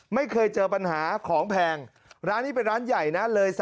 ไม่เคยเจอปัญหาของแพงร้านนี้เป็นร้านใหญ่นะ